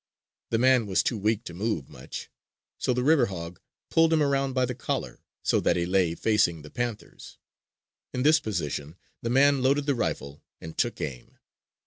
The man was too weak to move much; so the river hog pulled him around by the collar so that he lay facing the panthers. In this position the man loaded the rifle and took aim.